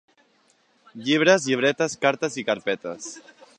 Llibres, llibretes, cartes i carpetes.